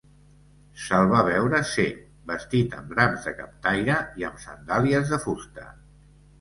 Se'l va veure cec, vestit amb draps de captaire i amb sandàlies de fusta.